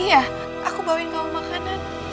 tidak bisa di bracket